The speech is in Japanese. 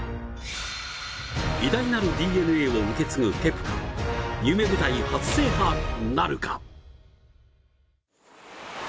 偉大なるＤＮＡを受け継ぐケプカ夢舞台、初制覇なるか。